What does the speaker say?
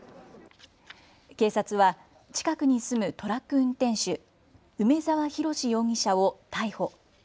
警察は近くに住むトラック運転手、梅澤洋容疑者を逮捕。